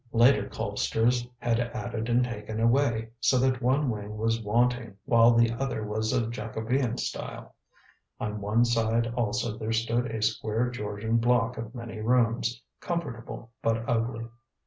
Later Colpsters had added and taken away, so that one wing was wanting, while the other was of Jacobean style. On one side also there stood a square Georgian block of many rooms, comfortable but ugly.